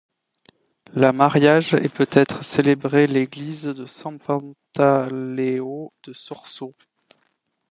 La mariage est peut-être célébré l'église de San-Pantaleo de Sorso.